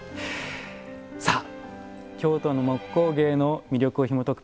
さあ京都の木工芸の魅力をひもとく